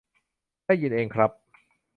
ได้ยินเองครับ